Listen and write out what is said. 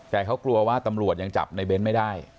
แต่เขากลัวว่าตำรวจยังจับในเบ้นไม่ได้